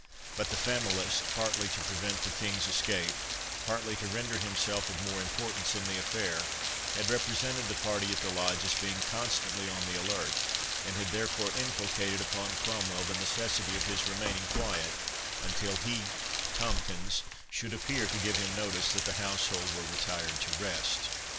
But the Familist, partly to prevent the King's escape, partly to render himself of more importance in the affair, had represented the party at the Lodge as being constantly on the alert, and had therefore inculcated upon Cromwell the necessity of his remaining quiet until he (Tomkins) should appear to give him notice that the household were retired to rest.